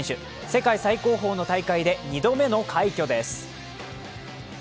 世界最高峰の大会で２度目の快挙です。